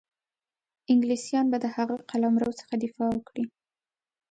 انګلیسیان به د هغه قلمرو څخه دفاع وکړي.